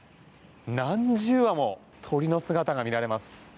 何十羽も鳥の姿が見られます。